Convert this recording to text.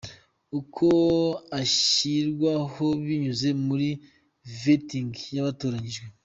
Kuko ashyirwaho binyuze muri vetting y’abatoranyijwe.